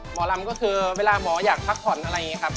หมอลำก็คือเวลาหมออยากพักผ่อนอะไรอย่างนี้ครับ